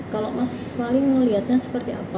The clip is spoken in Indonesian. kalau mas paling mau lihatnya seperti apa